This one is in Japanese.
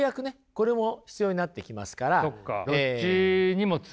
これも必要になってきますから。